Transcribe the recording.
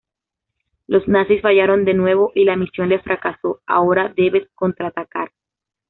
Los nazis fallaron de nuevo y la misión les fracasó, ahora debes contraatacar.